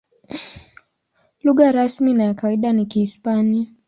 Lugha rasmi na ya kawaida ni Kihispania.